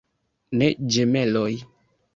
Ne ĝemeloj.